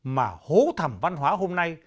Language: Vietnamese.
mà hố thẩm văn hóa hôm nay